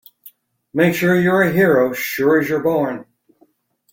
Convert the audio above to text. Make you're a hero sure as you're born!